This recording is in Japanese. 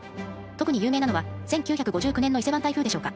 特に有名なのは１９５９年の伊勢湾台風でしょうか。